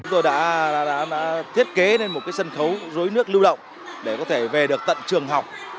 tôi đã thiết kế lên một sân khấu rối nước lưu động để có thể về được tận trường học